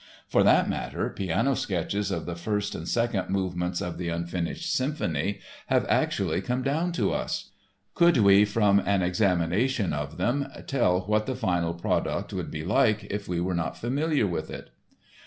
For that matter, piano sketches of the first and second movements of the Unfinished Symphony have actually come down to us. Could we, from an examination of them, tell what the final product would be like if we were not familiar with it?